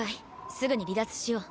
すぐに離脱しよう。